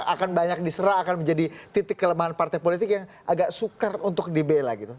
akan banyak diserah akan menjadi titik kelemahan partai politik yang agak sukar untuk dibela gitu